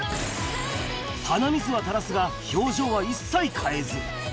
鼻水は垂らすが、表情は一切変えず。